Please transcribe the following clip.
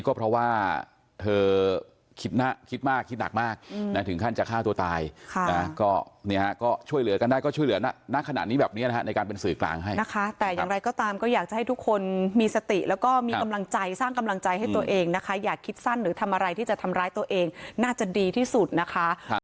ก็เนี้ยฮะก็ช่วยเหลือกันได้ก็ช่วยเหลือน่ะน่าขนาดนี้แบบเนี้ยนะฮะในการเป็นสื่อกลางให้นะคะแต่อย่างไรก็ตามก็อยากจะให้ทุกคนมีสติแล้วก็มีกำลังใจสร้างกำลังใจให้ตัวเองนะคะอยากคิดสั้นหรือทำอะไรที่จะทำร้ายตัวเองน่าจะดีที่สุดนะคะ